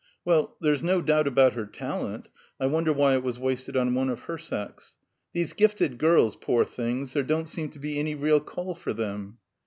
"Well, there's no doubt about her talent. I wonder why it was wasted on one of her sex! These gifted girls, poor things, there don't seem to be any real call for them."